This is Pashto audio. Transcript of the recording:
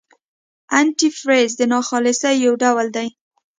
انتي فریز د ناخالصۍ یو ډول دی.